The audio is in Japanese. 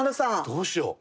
どうしよう？